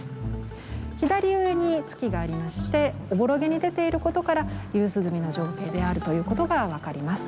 左上に月がありましておぼろげに出ていることから夕涼みの情景であるということが分かります。